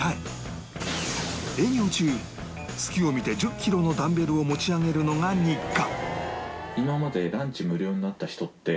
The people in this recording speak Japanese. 営業中隙を見て１０キロのダンベルを持ち上げるのが日課